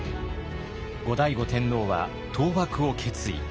後醍醐天皇は倒幕を決意。